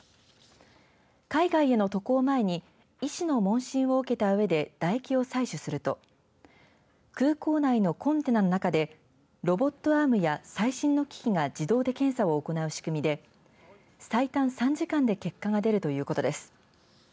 海外への渡航前に医師の問診を受けたうえで唾液を採取すると空港内のコンテナの中でロボットアームや最新の機器が自動で検査を行う仕組みで最短３時間で結果が出るということです。